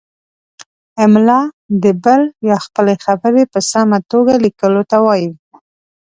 املاء د بل یا خپلې خبرې په سمه توګه لیکلو ته وايي.